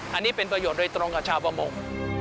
อันนี้เป็นประโยชน์โดยตรงกับชาวประมง